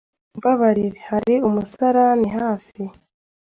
Mumbabarire, hari umusarani hafi?